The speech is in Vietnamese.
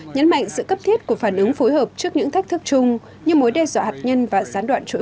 nhấn mạnh sự cấp thiết của phản ứng phối hợp trước những thách thức chung như mối đe dọa hạt nhân và gián đoạn chuỗi